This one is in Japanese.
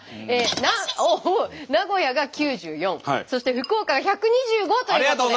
名古屋が９４そして福岡が１２５ということで。